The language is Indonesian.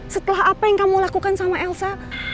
setelah apa yang kamu lakukan sama elsa